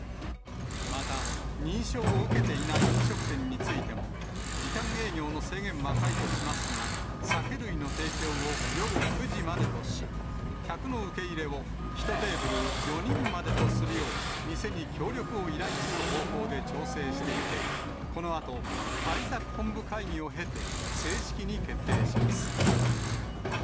また認証を受けていない飲食店についても、時短営業の制限は解除しますが、酒類の提供を夜９時までとし、客の受け入れを１テーブル４人までとするよう、店に協力を依頼する方向で調整していて、このあと、対策本部会議を経て、正式に決定します。